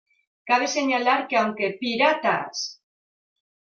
Cabe señalar que aunque "¡Piratas!